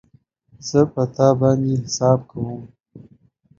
زه په تا باندی حساب کوم